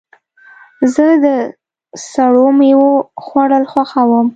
زه د سړو میوو خوړل خوښوم.